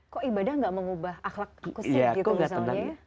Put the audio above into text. kok ibadah gak mengubah akhlak khusus gitu misalnya ya